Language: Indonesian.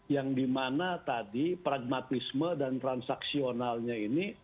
yang dimana tadi pragmatisme dan transaksionalnya ini